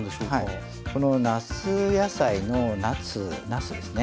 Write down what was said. この夏野菜のなすなすですね。